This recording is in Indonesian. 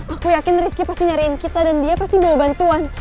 aku yakin rizky pasti nyariin kita dan dia pasti bawa bantuan